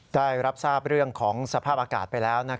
ได้รับทราบเรื่องของสภาพอากาศไปแล้ว